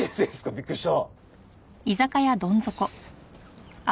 びっくりした！